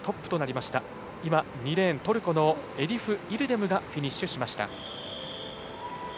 そして２レーン、トルコのエリフ・イルデムがフィニッシュ。